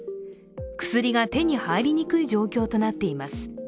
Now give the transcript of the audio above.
薬が手に入りにくい状況となっています。